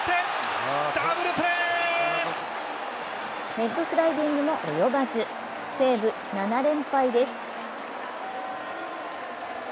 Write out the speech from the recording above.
ヘッドスライディングも及ばず西武、７連敗です。